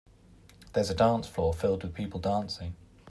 There is a dance floor filled with people dancing.